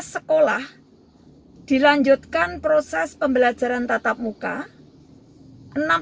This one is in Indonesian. delapan belas sekolah dilanjutkan proses pembelajaran tatap muka